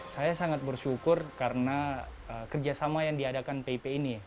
saya sangat bersyukur karena kerjasama yang diadakan pip ini